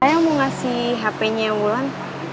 saya mau ngasih hpnya wulan